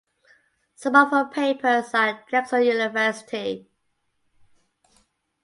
Some of her papers are at Drexel University.